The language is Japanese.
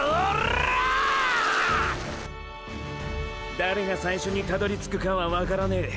誰が最初にたどりつくかはワカらねェ。